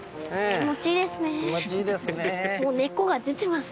気持ちいいですね。